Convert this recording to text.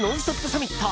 サミット。